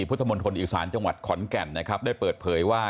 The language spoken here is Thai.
พุธมนตรฐนอิสราญจังหวัดขอนแก่นได้เปิดเผยว่า